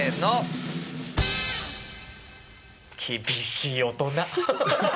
厳しい大人。